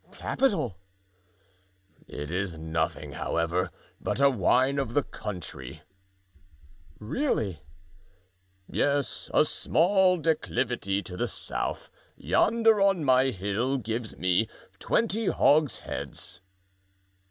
"Capital!" "It is nothing, however, but a wine of the country." "Really?" "Yes, a small declivity to the south, yonder on my hill, gives me twenty hogsheads."